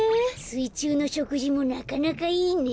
すいちゅうのしょくじもなかなかいいね。